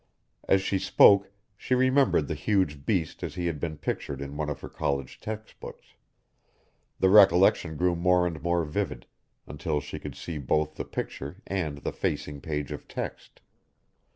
As she spoke, she remembered the huge beast as he had been pictured in one of her college textbooks. The recollection grew more and more vivid, until she could see both the picture and the facing page of text.